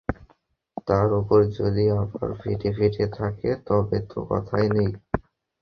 তার ওপর যদি আবার ফেটে ফেটে থাকে, তবে তো কথাই নেই।